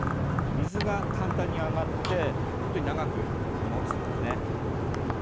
水が簡単に上がって本当に長く持つんですね。